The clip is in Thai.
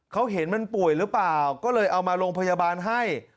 เขาเห็นมันป่วยหรือเปล่าก็เลยเอามาโรงพยาบาลให้